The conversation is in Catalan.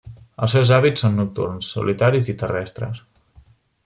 Els seus hàbits són nocturns, solitaris i terrestres.